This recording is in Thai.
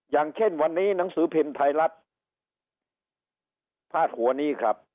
อย่างเช่นวันนี้หนังสือพิมพ์ไทยรัฐพาดหัวนี้ครับ